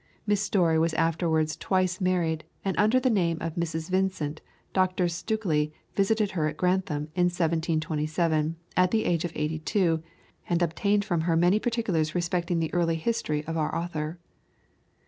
Miss Storey was afterwards twice married, and under the name of Mrs. Vincent, Dr. Stukeley visited her at Grantham in 1727, at the age of eighty two, and obtained from her many particulars respecting the early history of our author.